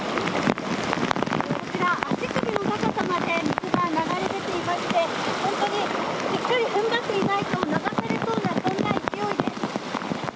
こちら、足首の高さまで水が流れ出ていましてしっかり踏ん張っていないと流されそうな勢いです。